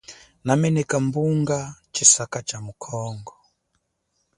Nameneka bunga tshisaka cha mu Congo.